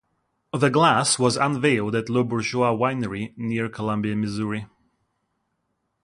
The glass was unveiled at Les Bourgeois Winery near Columbia, Missouri.